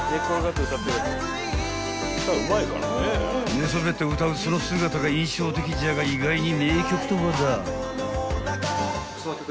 ［寝そべって歌うその姿が印象的じゃが意外に名曲と話題］